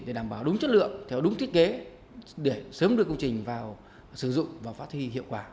để đảm bảo đúng chất lượng theo đúng thiết kế để sớm đưa công trình vào sử dụng và phát thi hiệu quả